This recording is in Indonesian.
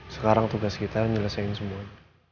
sekarang tugas kita menyelesaikan semuanya